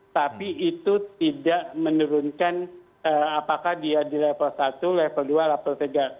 tapi itu tidak menurunkan apakah dia di level satu level dua level tiga